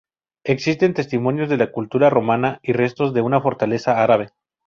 Existen testimonios de la cultura romana y restos de una fortaleza árabe.